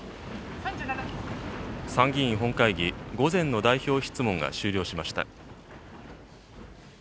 参議院本会議、午前の代表質問が終了しました。